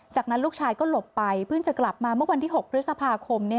จากนั้นลูกชายก็หลบไปเพิ่งจะกลับมาเมื่อวันที่๖พฤษภาคม